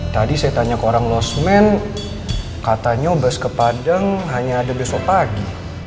tadi saya tanya ke orang losmen katanya bus ke padang hanya ada besok pagi